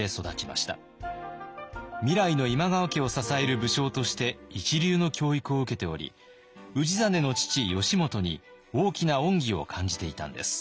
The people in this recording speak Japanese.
未来の今川家を支える武将として一流の教育を受けており氏真の父義元に大きな恩義を感じていたんです。